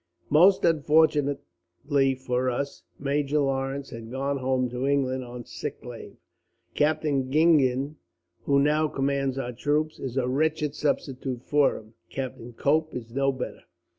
"Most unfortunately for us, Major Lawrence had gone home to England on sick leave. Captain Gingen, who now commands our troops, is a wretched substitute for him. Captain Cope is no better.